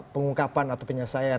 pengungkapan atau penyelesaian